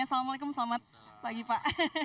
assalamualaikum selamat pagi pak